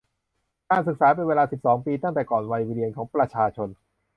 การศึกษาเป็นเวลาสิบสองปี ตั้งแต่ก่อนวัยเรียนของประชาชน